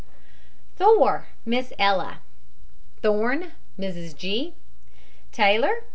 THOR, MISS ELLA. THORNE, MRS. G. TAYLOR, MR.